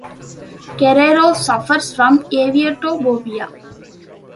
Guerrero suffers from aviatophobia.